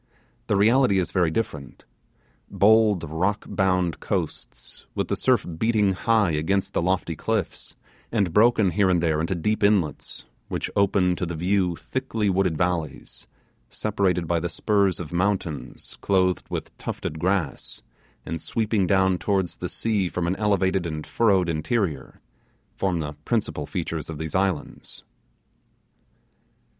The reality is very different; bold rock bound coasts, with the surf beating high against the lofty cliffs, and broken here and there into deep inlets, which open to the view thickly wooded valleys, separated by the spurs of mountains clothed with tufted grass, and sweeping down towards the sea from an elevated and furrowed interior, form the principal features of these islands.